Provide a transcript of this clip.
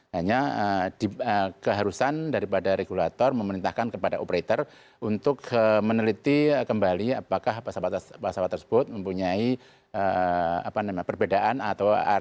hanya keharusan daripada regulator memerintahkan kepada operator untuk meneliti kembali apakah pesawat tersebut mempunyai perbedaan